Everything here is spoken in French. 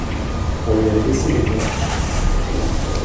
On lui avait laissé les dents.